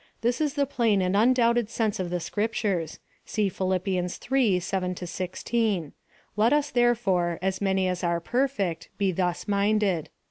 t This is the plain and undoubted sense of the Scriptures. (See Phil. 3 : 7 — 16.) " Let us, therefore, as many as are perfect, be thuf minded."